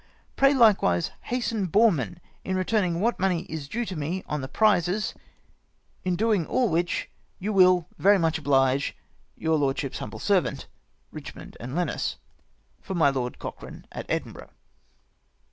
Pray, likewise hasten Boreman in re turning what money is due to me on the prizes, in doing all which, you will very much oblige " Your lordship's humble servant, "EiCHMOND and Lenos. '• For my Lord Cochrane, at Edinburgh."